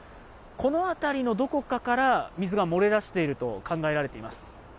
この辺りのどこかから水が漏れ出していると考えられています。